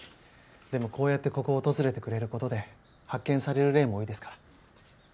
でもこうやってここを訪れてくれる事で発見される例も多いですから。